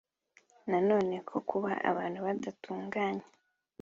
Nanone ko kuba abantu badatunganye